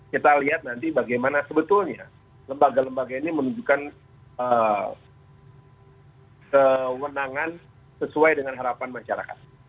kita lihat nanti bagaimana sebetulnya lembaga lembaga ini menunjukkan kewenangan sesuai dengan harapan masyarakat